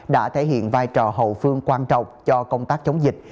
đã thể hiện vai trò hậu phương quan trọng cho công tác chống dịch